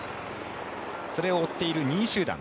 それを追っている２位集団。